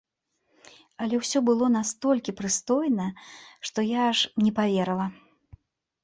Але ўсё было настолькі прыстойна, што я аж не паверыла.